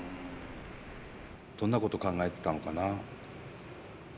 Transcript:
どんなこと考えてたのかな？